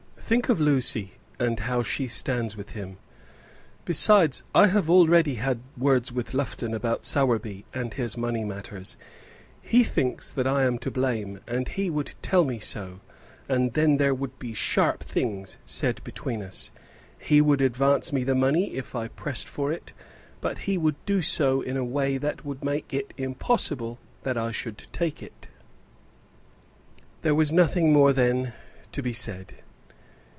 Think of Lucy, and how she stands with him. Besides I have already had words with Lufton about Sowerby and his money matters. He thinks that I am to blame, and he would tell me so; and then there would be sharp things said between us. He would advance me the money if I pressed for it, but he would do so in a way that would make it impossible that I should take it." There was nothing more then to be said.